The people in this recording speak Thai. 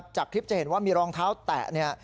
จากคลิปจะเห็นว่ามีรองเท้าแตะเนี่ย